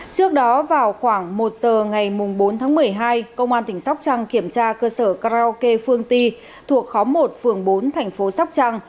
trước đó vào khoảng một giờ ngày bốn tháng một mươi hai công an tỉnh sóc trăng kiểm tra cơ sở karaoke phương ti thuộc khóm một phường bốn thành phố sóc trăng